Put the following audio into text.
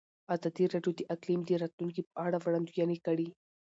ازادي راډیو د اقلیم د راتلونکې په اړه وړاندوینې کړې.